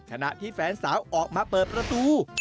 ขณะที่แฟนสาวออกมาเปิดประตู